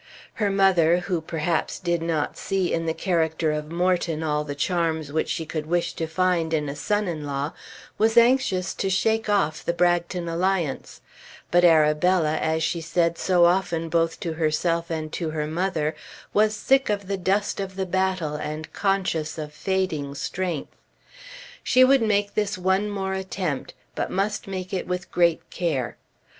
Her mother, who perhaps did not see in the character of Morton all the charms which she would wish to find in a son in law, was anxious to shake off the Bragton alliance; but Arabella, as she said so often both to herself and to her mother, was sick of the dust of the battle and conscious of fading strength. She would make this one more attempt, but must make it with great care.